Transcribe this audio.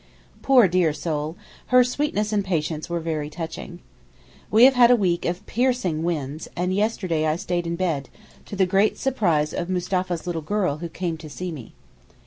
Poor dear soul her sweetness and patience were very touching. We have had a week of piercing winds, and yesterday I stayed in bed, to the great surprise of Mustapha's little girl who came to see me.